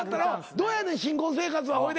どうやねん新婚生活は？ほいで。